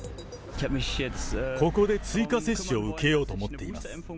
ここで追加接種を受けようと思っています。